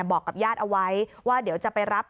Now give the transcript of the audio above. บอกกับญาติเอาไว้ว่าเดี๋ยวจะไปรับ